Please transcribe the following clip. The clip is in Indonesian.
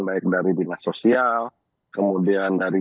baik dari dinas sosial kemudian dari